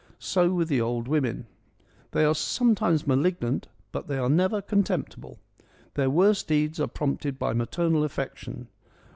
So with the old women. They are some times malignant, but they are never contemptible. Their worst deeds are prompted by maternal affec tion.